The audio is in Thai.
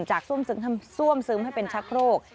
จากซ่วมซึมทำซ่วมซึมให้เป็นชักโครก